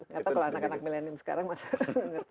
gak tahu kalau anak anak milenium sekarang masa